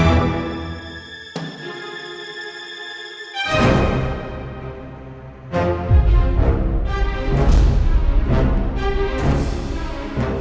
mama istirahat ya